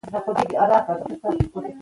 د خولې د جوف او غاښونو ناروغۍ